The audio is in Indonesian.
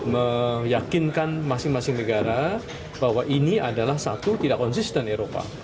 meyakinkan masing masing negara bahwa ini adalah satu tidak konsisten eropa